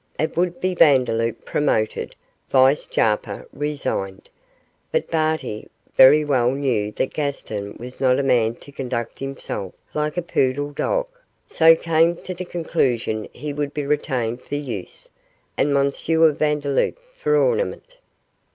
It would be Vandeloup promoted vice Jarper resigned, but Barty very well knew that Gaston was not a man to conduct himself like a poodle dog, so came to the conclusion he would be retained for use and M. Vandeloup for ornament.